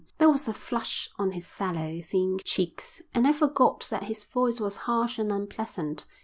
There was a flush on his sallow, thin cheeks, and I forgot that his voice was harsh and unpleasant.